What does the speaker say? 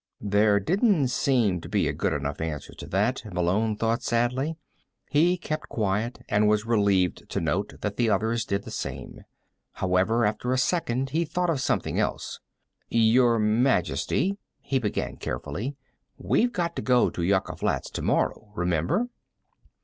There didn't seem to be a good enough answer to that, Malone thought sadly. He kept quiet and was relieved to note that the others did the same. However, after a second he thought of something else. "Your Majesty," he began carefully, "we've got to go to Yucca Flats tomorrow. Remember?"